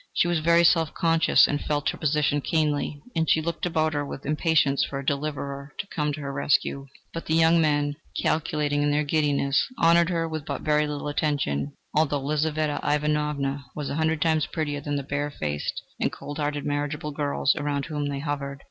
She was very self conscious, and felt her position keenly, and she looked about her with impatience for a deliverer to come to her rescue; but the young men, calculating in their giddiness, honoured her with but very little attention, although Lizaveta Ivanovna was a hundred times prettier than the bare faced and cold hearted marriageable girls around whom they hovered.